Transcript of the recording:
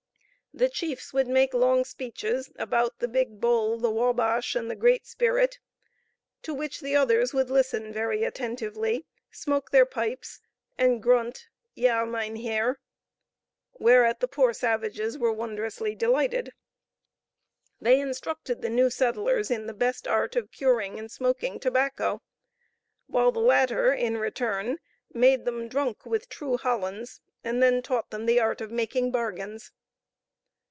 The chiefs would make long speeches about the big bull, the wabash, and the Great Spirit, to which the others would listen very attentively, smoke their pipes, and grunt yah, myn her; whereat the poor savages were wondrously delighted. They instructed the new settlers in the best art of curing and smoking tobacco, while the latter in return, made them drunk with true Hollands, and then taught them the art of making bargains.